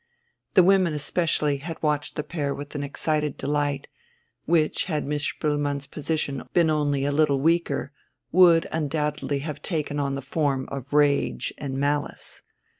The women especially had watched the pair with an excited delight, which, had Miss Spoelmann's position been only a little weaker, would undoubtedly have taken on the form of rage and malice.